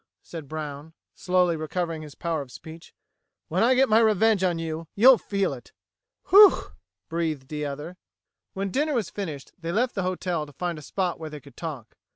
said Brown, slowly recovering his power of speech. "When I get my revenge on you, you'll feel it!" "Whew!" breathed the other. When dinner was finished, they left the hotel to find a spot where they could talk.